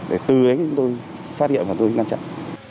để từ đấy chúng tôi phát hiện và tôi ngăn chặn